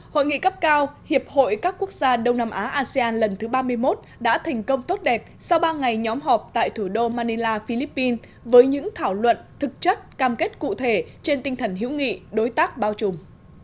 hội nghị cấp cao hiệp hội các quốc gia đông nam á asean lần thứ ba mươi một đã thành công tốt đẹp sau ba ngày nhóm họp tại thủ đô manila philippines với những thảo luận thực chất cam kết cụ thể trên tinh thần hiểu nghị đối tác bao trùm